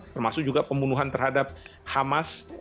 termasuk juga pembunuhan terhadap hamas